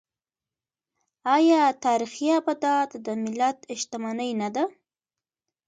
آیا تاریخي ابدات د ملت شتمني نه ده؟